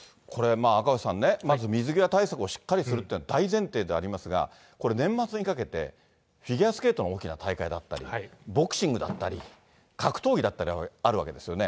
赤星さんね、まず水際対策をしっかりするっていうのは大前提ではありますが、年末にかけて、フィギュアスケートの大きな大会だったり、ボクシングだったり、格闘技だったりあるわけですよね。